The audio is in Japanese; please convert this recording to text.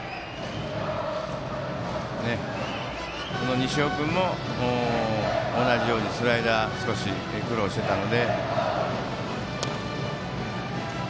西尾君も同じようにスライダーに少し苦労していました。